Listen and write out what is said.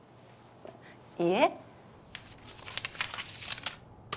いいえ。